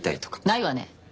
ないわね。